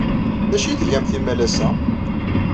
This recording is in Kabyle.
D acu ay tgamt imalas-a?